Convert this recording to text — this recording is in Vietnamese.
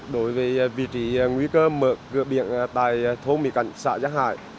đối với vị trí nguy cơ mở cửa biển tại thôn mỹ cảnh xã giang hải